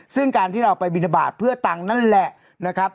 ซึ่งการที่เราไปบินทบาทเพื่อตังค์นั่นแหละนะครับ